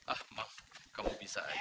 ah maaf kamu bisa aja